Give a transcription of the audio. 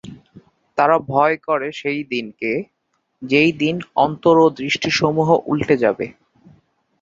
তারা ভয় করে সেই দিনকে, যে দিন অন্তর ও দৃষ্টি সমুহ উল্টে যাবে।